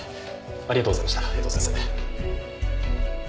ありがとうございました江藤先生。